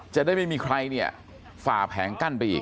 จะได้ไม่มีใครเนี่ยฝ่าแผงกั้นไปอีก